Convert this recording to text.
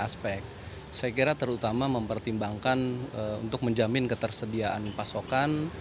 bagi aspek saya kira terutama mempertimbangkan untuk menjamin ketersediaan pasokan